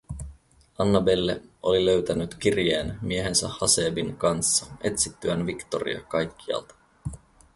Annabelle oli löytänyt kirjeen miehensä Haseebin kanssa etsittyään Victoria kaikkialta.